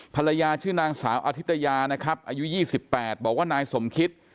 ภรรยาชื่อนางสาวอธิตยานะครับอายุ๒๘บอกว่านายสมคิต